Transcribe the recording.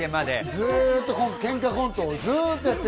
ずっとケンカコントをずっとやってる。